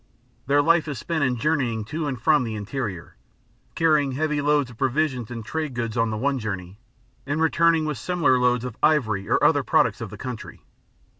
Their life is spent in journeying to and from the interior, carrying heavy loads of provisions and trade goods on the one journey, and returning with similar loads of ivory or other products of the country.